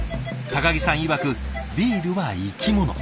木さんいわくビールは生き物。